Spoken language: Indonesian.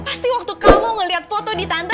pasti waktu kamu ngeliat foto di tante